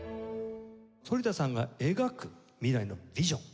反田さんが描く未来のビジョン